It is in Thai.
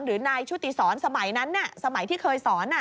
หรือนายชุติศรสมัยนั้นสมัยที่เคยสอน